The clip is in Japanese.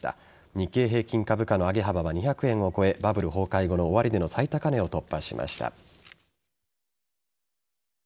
日経平均株価の上げ幅は２００円を超えバブル崩壊後の終値の最高値を突破しました。